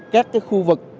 các khu vực